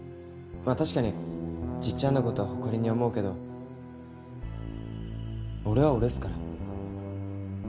まぁ確かにじっちゃんのことは誇りに思うけど俺は俺っすから。